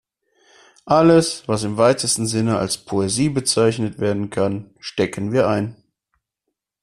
Alles, was im weitesten Sinne als Poesie bezeichnet werden kann, stecken wir ein.